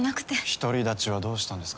独り立ちはどうしたんですか？